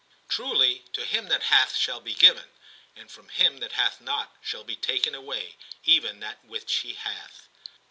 Truly, *to him that hath shall be given, and from him that hath not shall be taken away even that which he hath.